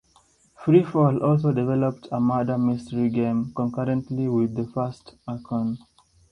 Free Fall also developed a murder mystery game concurrently with the first "Archon".